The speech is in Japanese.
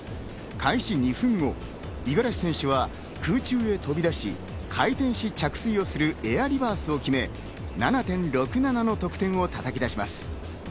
開始２分後、五十嵐選手は空中へ飛び出し、回転し着水するエアリバースを決め、７．６７の得点をたたき出します。